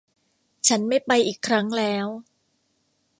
ฉันไม่ไปอีกครั้งแล้ว